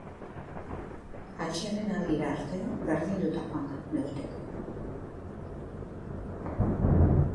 Atsedenaldira arte, berdinduta joan da neurketa.